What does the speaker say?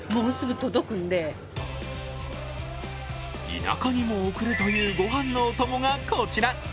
田舎にも送るというご飯のお供がこちら。